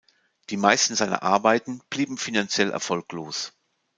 Die meisten seiner Arbeiten blieben finanziell erfolglos.